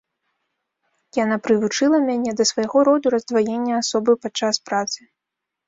Яна прывучыла мяне да свайго роду раздваення асобы падчас працы.